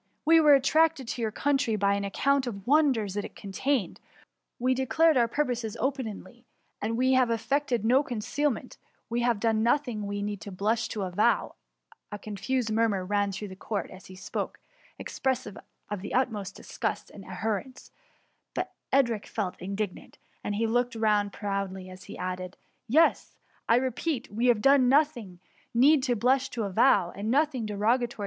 We were attracted to your country by an account of the wonders it contained ; we de clared our purposes openly; we have aflected no concealment ; and we have done nothing we need blush to avow —'^ A confused murmur ran through the court as he spoke, expressive of the utmost disgust and abhorrence; Edric felt indignant, and he looked round proudly as he added :— ^^Yes, I repeat we have done nothing we need blush to avow, and nothing derogatory ttO TSX UUVHT.